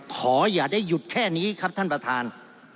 ขออย่าได้หยุดแค่นี้ครับท่านประธาน